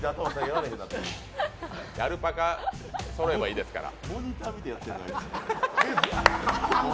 アルパカそろえばいいですから。